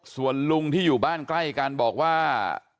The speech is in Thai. ส่วนลุงที่อยู่บ้านใกล้กันบอกว่า